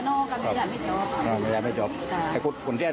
คุณแม่ญาติไม่ไกลจบ